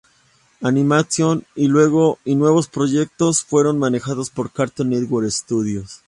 Animation y los nuevos proyectos fueron manejados por Cartoon Network Studios.